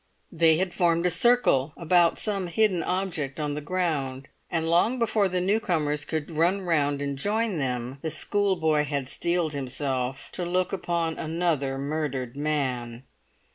They had formed a circle about some hidden object on the ground; and long before the new comers could run round and join them, the schoolboy had steeled himself to look upon another murdered man.